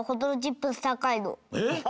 えっ！？